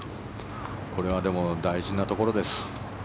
これはでも大事なところです。